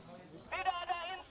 tidak ada intimidasi